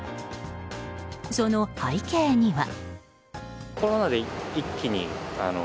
その背景には。